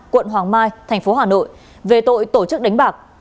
quận hoàng mai thành phố hà nội về tội tổ chức đánh bạc